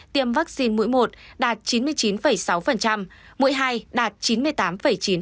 tỷ lệ trẻ từ một mươi hai đến một mươi tám tuổi tiêm vaccine mũi một đạt chín mươi chín sáu mũi hai đạt chín mươi chín bảy